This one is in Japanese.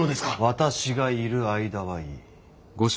私がいる間はいい。